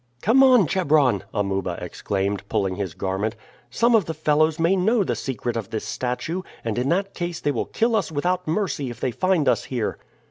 "Come on, Chebron!" Amuba exclaimed, pulling his garment. "Some of the fellows may know the secret of this statue, and in that case they will kill us without mercy if they find us here."